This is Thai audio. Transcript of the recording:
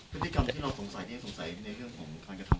พฤติกรรมที่เราสงสัยนี่สงสัยในเรื่องของ